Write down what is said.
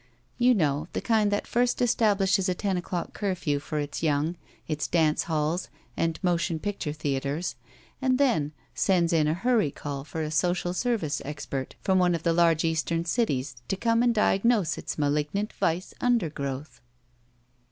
You know — ^the kind that first establishes a ten o'clock ciufew for its young, its dance halls and motion picture thea 60 BACK PAY ters, and then sends in a htiny call for a sodaV service expert from one of the large Eastern cities to come and diagnose its malignant vice under growth.